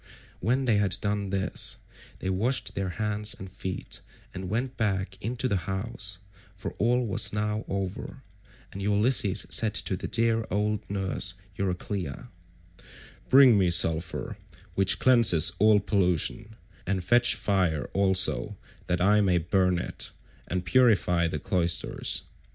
When they had done this they washed their hands and feet and went back into the house, for all was now over; and Ulysses said to the dear old nurse Euryclea, "Bring me sulphur, which cleanses all pollution, and fetch fire also that I may burn it, and purify the cloisters.